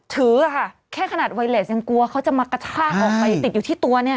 ถือค่ะแค่ขนาดไวเลสยังกลัวเขาจะมากระชากออกไปติดอยู่ที่ตัวเนี่ย